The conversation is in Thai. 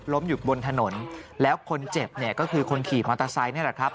อยู่บนถนนแล้วคนเจ็บเนี่ยก็คือคนขี่มอเตอร์ไซค์นี่แหละครับ